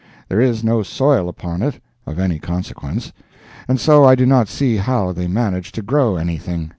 There is no soil upon it of any consequence, and so I do not see how they manage to grow anything.